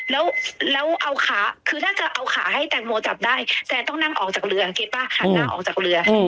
แล้วเอาขาคือถ้าเกิดเอาขาให้แตงโมจับได้แต่ต้องนั่งออกจากเรืองเก็บป่ะหันหน้าออกจากเรือ